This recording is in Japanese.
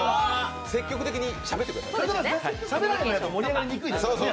積極的にしゃべってください。